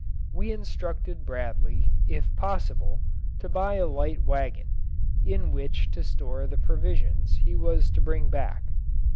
We instructed Bradley, if possible, to buy a light wagon, in which to store the provisions he was to bring back.